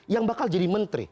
yang bakal jadi menteri